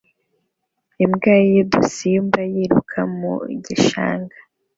Imbwa y'udusimba yiruka mu gishanga